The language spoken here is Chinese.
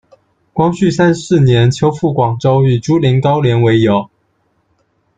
光绪三十四年秋赴广州，与朱麟、高廉为友。